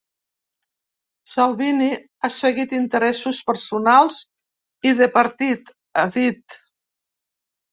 Salvini ha seguit interessos personals i de partit, ha dit.